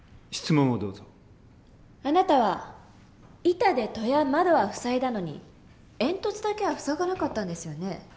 あなたは板で戸や窓は塞いだのに煙突だけは塞がなかったんですよね？